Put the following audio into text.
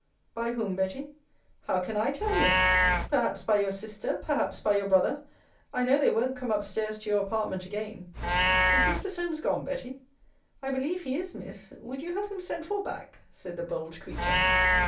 By whom, Betty? How can I tell, Miss? perhaps by your sister, perhaps by your brother I know they wont' come up stairs to your apartment again. Is Mr. Solmes gone, Betty? I believe he is, Miss Would you have him sent for back? said the bold creature.